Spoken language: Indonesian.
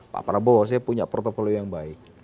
pak prabowo punya protokol yang baik